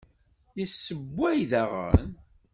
Yessewway daɣen?